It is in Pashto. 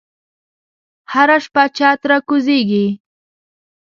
هره شپه چت راکوزیږې